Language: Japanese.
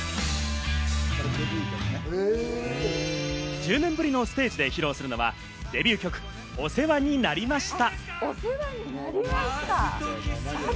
１０年ぶりのステージで披露するのはデビュー曲、『お世話になりました』。